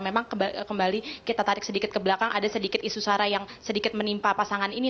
memang kembali kita tarik sedikit ke belakang ada sedikit isu sara yang sedikit menimpa pasangan ini